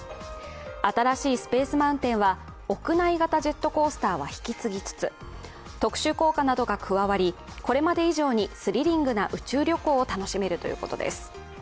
新しいスペース・マウンテンは屋内型ジェットコースターは引き継ぎつつ特殊効果などが加わり、これまで以上にスリリングな宇宙旅行を楽しめるということです。